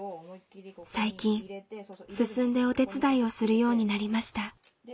最近進んでお手伝いをするようになりました。